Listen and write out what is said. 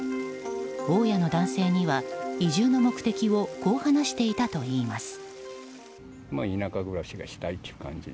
大家の男性には移住の目的をこう話していたといいます。